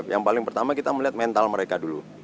yang paling pertama kita melihat mental mereka dulu